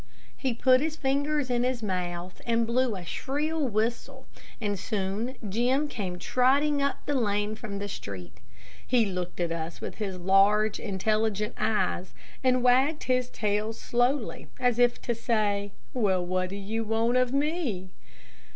He put his fingers in his mouth and blew a shrill whistle, and soon Jim came trotting up the lane from the street. He looked at us with his large, intelligent eyes, and wagged his tail slowly, as if to say, "Well, what do you want of me?"